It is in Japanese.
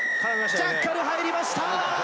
ジャッカル入りました！